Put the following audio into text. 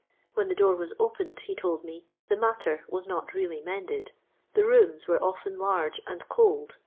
When the door was opened, he told me, the matter was not really mended. The rooms were often large and cold..